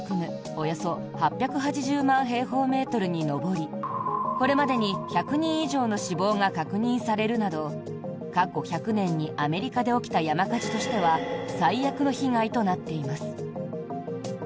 およそ８８０万平方メートルに上りこれまでに１００人以上の死亡が確認されるなど過去１００年にアメリカで起きた山火事としては最悪の被害となっています。